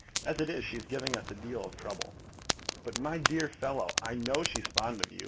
As it is, she is giving us a deal of trouble." "But, my dear fellow " "I know she's fond of you.